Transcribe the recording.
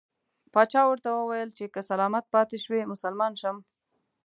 پاچا ورته وویل چې که سلامت پاته شوې مسلمان شم.